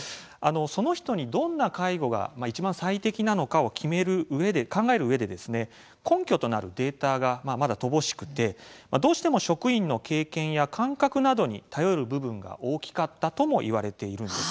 その人にどんな介護がいちばん最適なのかを決める考えるうえで根拠となるデータがまだ乏しくてどうしても、職員の経験や感覚などに頼る部分が大きかったともいわれているんです。